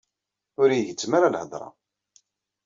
Ur yi-gezzem ara lhedra.